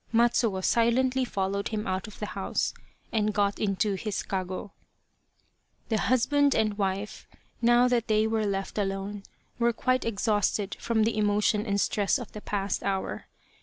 Matsuo silently followed him out of the house and got into his kago. The husband and wife, now that they were left alone, were quite exhausted from the emotion and stress of the past hour.